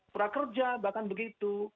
prakerja bahkan begitu